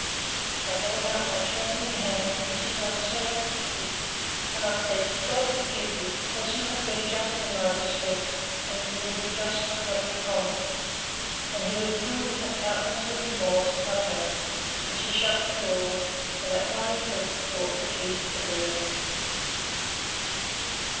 I held out my trembling hand, which he vouchsafed to kiss; and I said, God forgive you, sir, as you have been just in my distress; and as you will be just to what you promise! And he withdrew, with a countenance of remorse, as I hoped; and she shut the doors, and, at my request, brought the keys to bed.